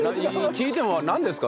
聞いてもなんですか？